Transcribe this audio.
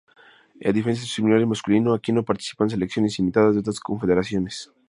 A diferencia de su similar masculino, aquí no participan selecciones invitadas de otras confederaciones.